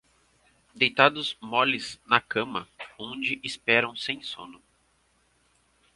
deitados moles na cama onde esperam sem sono;